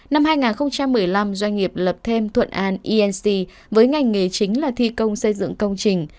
năm hai nghìn một mươi năm doanh nghiệp lập thêm thuận an inc với ngành nghề chính là thi công xây dựng công trình